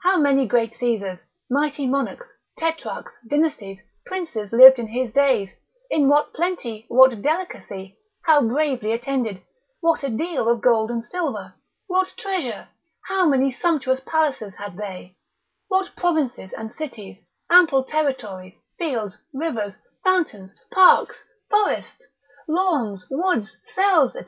How many great Caesars, mighty monarchs, tetrarchs, dynasties, princes lived in his days, in what plenty, what delicacy, how bravely attended, what a deal of gold and silver, what treasure, how many sumptuous palaces had they, what provinces and cities, ample territories, fields, rivers, fountains, parks, forests, lawns, woods, cells, &c.?